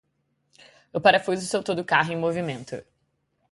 O parafuso soltou do carro em movimento.